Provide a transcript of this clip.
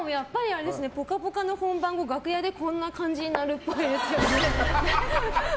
「ぽかぽか」の本番後、楽屋でこんな感じになるっぽいですよね。